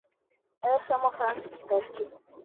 Essa é uma frase de teste